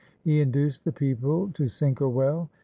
He induced the people to sink a well.